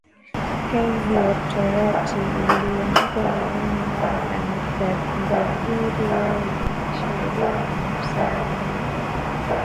kazi ya torati iliyoandikwa mioyoni mwao dhamiri yao ikiwashuhudia na mawazo yao yenyewe kwa